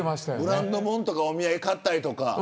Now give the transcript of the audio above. ブランド物とかお土産買ったりとか。